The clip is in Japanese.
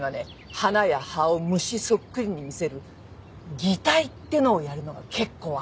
花や葉を虫そっくりに見せる擬態っていうのをやるのが結構あるのよね。